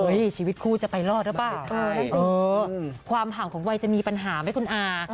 ชีวิตคู่จะไปรอดหรือเปล่าใช่สิความห่างของวัยจะมีปัญหาไหมคุณอา